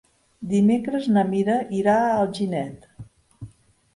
Dimecres na Mira irà a Alginet.